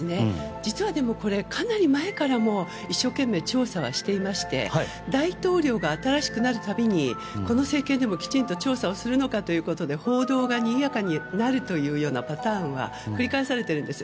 実は、これかなり前から一生懸命調査はしていまして大統領が新しくなるたびにこの政権でもきちんと調査するのかということで報道がにぎやかになるというパターンは繰り返されているんです。